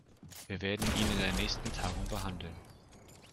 Wir werden ihn in der nächsten Tagung behandeln.